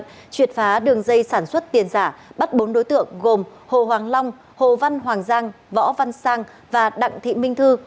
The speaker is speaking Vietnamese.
triệt phá đường dây sản xuất tiền giả bắt bốn đối tượng gồm hồ hoàng long hồ văn hoàng giang võ văn sang và đặng thị minh thư